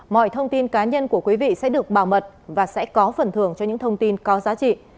mọi thông tin cá nhân của quý vị sẽ được bảo mật và sẽ có phần thường cho những thông tin có giá trị